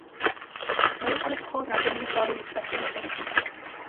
მოვიყვანოთ მხოლოდ რამდენიმე საილუსტრაციო მაგალითი.